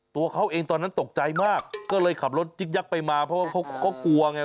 ตัวเขาเองตอนนั้นตกใจมากก็เลยขับรถจิ๊กยักษ์ไปมาเพราะว่าเขาก็กลัวไง